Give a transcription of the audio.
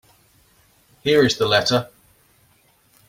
Here is the letter.